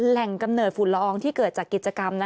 กำเนิดฝุ่นละอองที่เกิดจากกิจกรรม